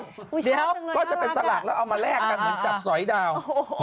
เดี๋ยวก็จะเป็นสลากแล้วเอามาแลกกันเหมือนจับสอยดาว